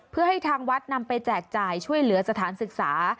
เพื่อให้ทางวัดนำไปแจกจ่ายช่วยเหลือสถานศึกษา